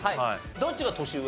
どっちが年上？